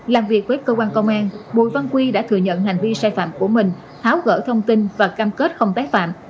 làm việc với cơ quan công an bùi văn quy đã thừa nhận hành vi sai phạm của mình tháo gỡ thông tin và cam kết không tái phạm